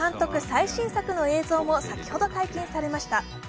最新作の映像も先ほど、解禁されました。